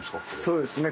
そうですね